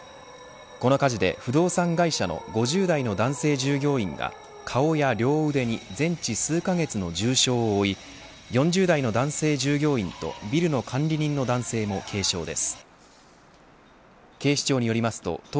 この火事で不動産会社の５０代の男性従業員が顔や両腕に全治数カ月の重傷を負い４０代の男性従業員とビルの管理人の男性も軽傷です。